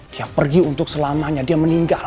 siap pergi untuk selamanya dia meninggal